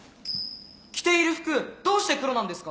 着ている服どうして黒なんですか？